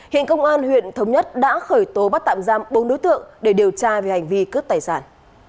hiện công an huyện thống nhất đã khởi tố bắt tạm giam bốn đối tượng để điều tra về hành vi cướp tài sản